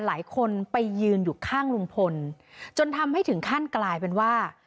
หลายคนไปยืนอยู่ข้างลุงพลจนทำให้ถึงขั้นกลายเป็นว่า